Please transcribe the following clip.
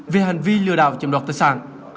về hành vi lừa đảo chiếm đoạt tài sản